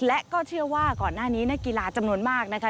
และก็เชื่อว่าก่อนหน้านี้นักกีฬาจำนวนมากนะคะ